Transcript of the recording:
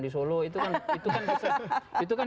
di solo itu kan